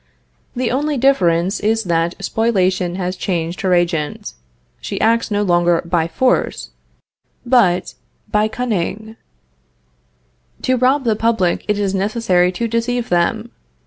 The only difference is that Spoliation has changed her agent. She acts no longer by Force, but by Cunning. To rob the public, it is necessary to deceive them.